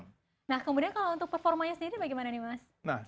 nah kemudian kalau untuk performanya sendiri bagaimana nih mas